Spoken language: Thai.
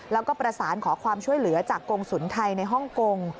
แล้วก็ประสานขอความช่วยเหลือจากกรงศูนย์ไทยในฮ่องกง